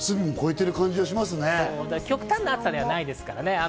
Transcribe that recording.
極端な暑さではないですからね。